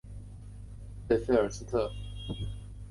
贝费尔斯特是德国下萨克森州的一个市镇。